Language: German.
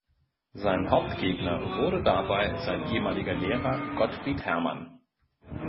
Sein Hauptgegner wurde dabei sein ehemaliger Lehrer Gottfried Hermann.